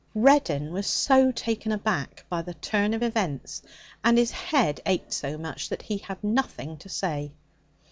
Reddin was so taken aback by the turn of events, and his head ached so much, that he had nothing to say.